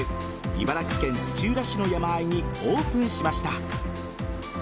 茨城県土浦市の山あいにオープンしました。